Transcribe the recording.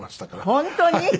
本当に？